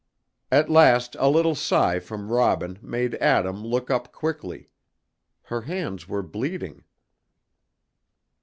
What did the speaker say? At last a little sigh from Robin made Adam look up quickly. Her hands were bleeding.